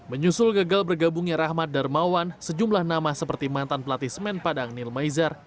menyusul gagal bergabungnya rahmat darmawan sejumlah nama seperti mantan pelatih semen padang nil maizar